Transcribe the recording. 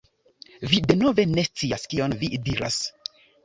Vi denove ne scias kion vi diras.